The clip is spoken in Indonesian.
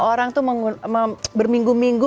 orang tuh berminggu minggu